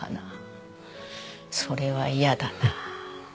それは嫌だな。